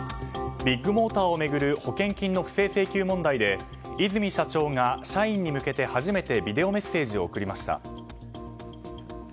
ビッグモーターを巡る保険金の不正請求問題で泉社長が社員に向けて初めてビデオメッセージを送りました。